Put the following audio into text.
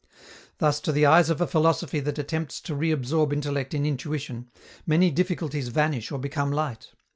Thus, to the eyes of a philosophy that attempts to reabsorb intellect in intuition, many difficulties vanish or become light.